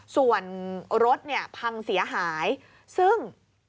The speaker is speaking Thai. ส่วนรถเนี่ยพังเสียหายซึ่ง